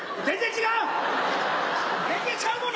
全然違う！